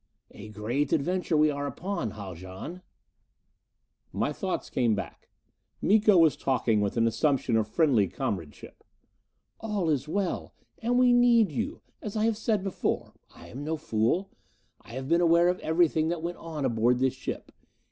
"A great adventure we are upon, Haljan." My thoughts came back. Miko was talking with an assumption of friendly comradeship. "All is well and we need you, as I have said before. I am no fool. I have been aware of everything that went on aboard this ship.